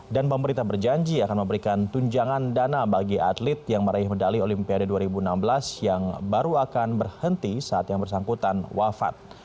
dan pemerintah berjanji akan memberikan tunjangan dana bagi atlet yang meraih medali olimpiade dua ribu enam belas yang baru akan berhenti saat yang bersangkutan wafat